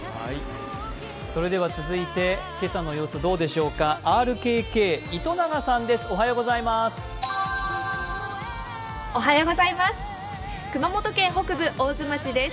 続いて、今朝の様子どうでしょうか、ＲＫＫ・糸永さん。熊本県北部、大津町です。